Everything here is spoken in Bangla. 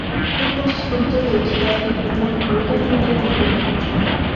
প্রথম সূর্যকে সে একটি বৃহৎ গোলকের ন্যায় দেখিয়াছিল।